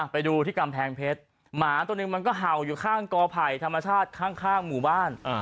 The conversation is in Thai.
ไปดูที่กำแพงเพชรหมาตัวหนึ่งมันก็เห่าอยู่ข้างกอไผ่ธรรมชาติข้างหมู่บ้าน